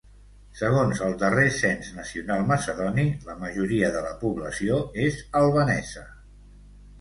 Segons el darrer cens nacional macedoni, la majoria de la població és albanesa.